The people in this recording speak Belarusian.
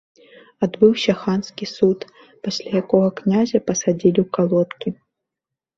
Адбыўся ханскі суд, пасля якога князя пасадзілі ў калодкі.